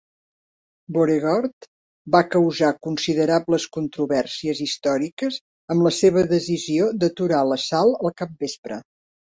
Beauregard va causar considerables controvèrsies històriques amb la seva decisió d'aturar l'assalt al capvespre.